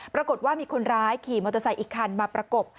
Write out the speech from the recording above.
ปรากฏว่ามีคนร้ายขี่มอเตอร์ไซค์อีกคันมาประกบ